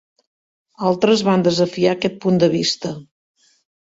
Altres van desafiar aquest punt de vista.